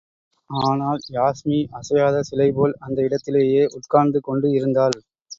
ஆனால், யாஸ்மி அசையாத சிலைபோல் அந்த இடத்திலேயே உட்கார்ந்து கொண்டு இருந்தாள்.